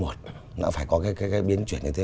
một nó phải có cái biến chuyển như thế